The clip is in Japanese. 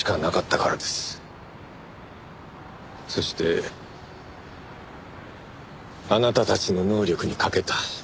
そしてあなたたちの能力にかけた。